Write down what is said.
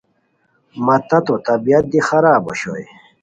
مہ تتو طبیعت دی خراب اوشوئے